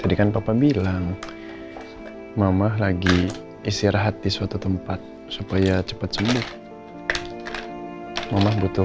jadi kan papa bilang mama lagi istirahat di suatu tempat supaya cepet sembuh mama butuh